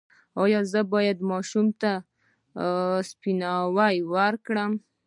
ایا زه باید ماشوم ته اوسپنه ورکړم؟